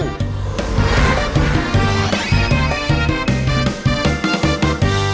โอ้โฮโอ้โฮ